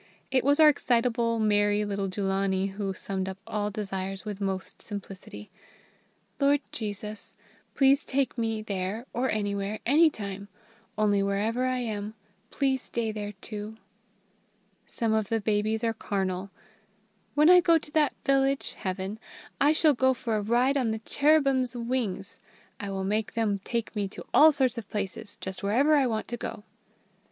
It was our excitable, merry little Jullanie who summed up all desires with most simplicity: "Lord Jesus, please take me there or anywhere anytime; only wherever I am, please stay there too!" Some of the babies are carnal: "When I go to that village (Heaven), I shall go for a ride on the cherubim's wings. I will make them take me to all sorts of places, just wherever I want to go."